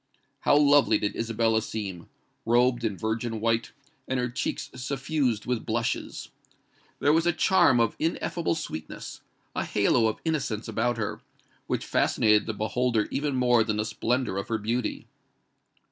How lovely did Isabella seem—robed in virgin white, and her cheeks suffused with blushes! There was a charm of ineffable sweetness—a halo of innocence about her, which fascinated the beholder even more than the splendour of her beauty.